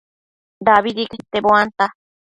dabidi quete buanta